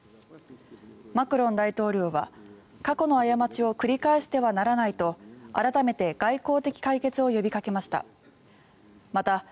マクロン大統領は過去の過ちを繰り返してはならないと改めて外交的解決を呼びかけました。